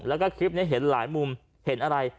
แล้วก็คลิปนี้เห็นหลายมุมเห็นอะไร